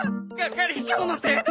係長のせいだ！